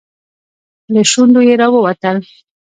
له شونډو يې راووتل.